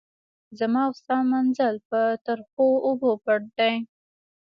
زما او ستا منزل په تریخو اوبو پټ دی.